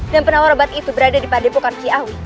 dan penawar obat itu berada di padepukan kiawi